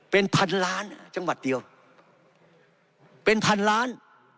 เป็นพันล้านจังหวัดเดียวเป็นพันล้าน